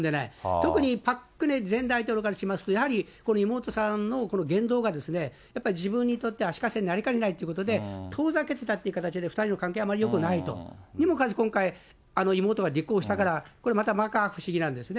特にパク・クネ前大統領からしますと、やはり妹さんの言動が、やっぱり自分にとって足かせになりかねないということで、遠ざけてたという形で、２人の関係はあまりよくないと。にもかかわらず今回、妹が立候補したからこれまたまか不思議なんですね。